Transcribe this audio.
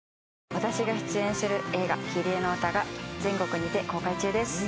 私が出演する映画『キリエのうた』が全国にて公開中です。